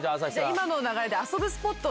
今の流れで遊ぶスポット。